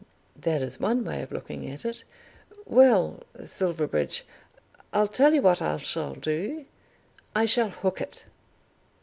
That is one way of looking at it. Well; Silverbridge, I'll tell you what I shall do; I shall hook it."